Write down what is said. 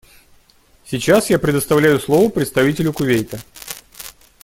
Сейчас я предоставляю слово представителю Кувейта.